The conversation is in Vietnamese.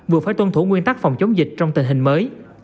vừa phải tuân thủ nguyên tắc phòng chống dịch trong tình hình mới